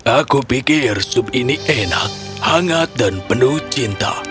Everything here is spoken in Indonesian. aku pikir sup ini enak hangat dan penuh cinta